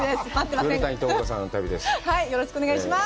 黒谷友香さんの旅です。